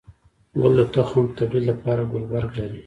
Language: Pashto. گل د تخم توليد لپاره ګلبرګ لري